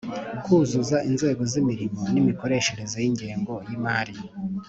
Kuzuza inzego z imirimo n imikoreshereze y ingengo y imari